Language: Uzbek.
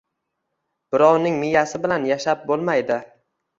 Birovning miyasi bilan yashab bo‘lmayding